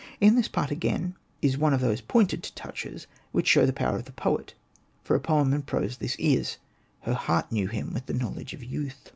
In this part again is one of those pointed touches, which show the power of the poet — for a poem in prose this is —'' her heart knew him with the knowledge of youth."